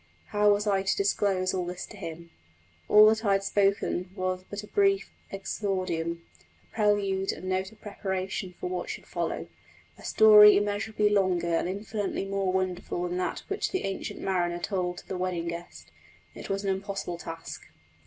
How was I to disclose all this to him? All that I had spoken was but a brief exordium a prelude and note of preparation for what should follow a story immeasurably longer and infinitely more wonderful than that which the Ancient Mariner told to the Wedding Guest. It was an impossible task.